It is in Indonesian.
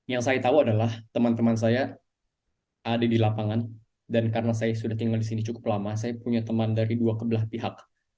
yang saya tahu adalah teman teman saya ada di lapangan dan karena saya sudah tinggal di sini cukup lama saya punya teman dari dua kebelah pihak